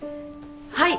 はい！